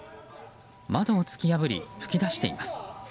窓を突き破り噴き出しています。